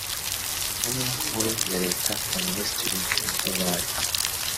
intumwa nkuru ya leta na minisitiri w imari